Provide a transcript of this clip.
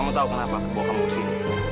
kamu tahu kenapa gue bawa kamu kesini